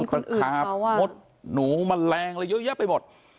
คนอื่นเขาว่าหนูตะขามดหนูแมลงอะไรเยอะแยะไปหมด